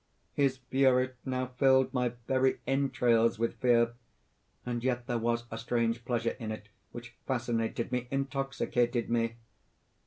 "His fury now filled my very entrails with fear and yet there was a strange pleasure in it which fascinated me, intoxicated me!